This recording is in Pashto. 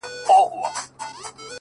• زه به يې ياد يم که نه؛